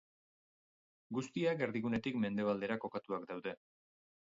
Guztiak erdigunetik mendebaldera kokatuak daude.